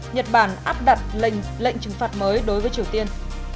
nhật bản áp đặt lệnh trừng phạt mới đối với triều tiên